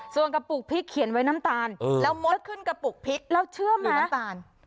ส่วนกระปุกพริกเขียนไว้น้ำตาลแล้วมดขึ้นกระปุกพริกแล้วเชื่อไหมน้ำตาล